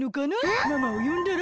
ママをよんだら？